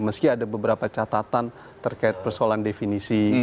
meski ada beberapa catatan terkait persoalan definisi